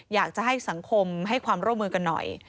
อยากจะให้สังคมให้ความร่วมมือกันหน่อย